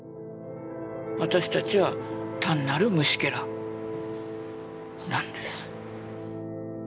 私たちは単なる虫けらなんです。